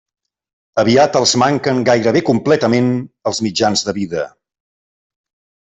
Aviat els manquen gairebé completament els mitjans de vida.